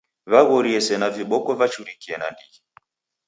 W'aghorie sena viboko vachurikie nandighi.